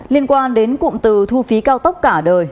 liên quan đến cụm từ thu phí cao tốc cả đời